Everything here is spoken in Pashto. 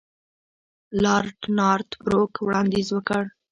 لارډ نارت بروک وړاندیز وکړ.